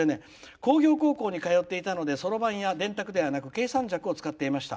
「工業高校に通っていたのでそろばんや電卓ではなく計算尺を使っていました」。